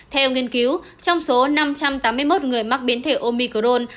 theo nghiên cứu trong số năm trăm tám mươi một người mắc biến thể omicrone